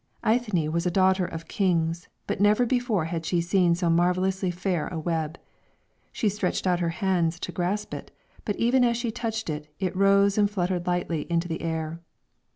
Eithne was a daughter of kings, but never before had she seen so marvellously fair a web; she stretched out her hands to grasp it, but even as she touched it, it rose and fluttered lightly into the air.